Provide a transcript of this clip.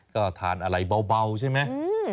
ก็ทานอะไรเบาใช่ไหม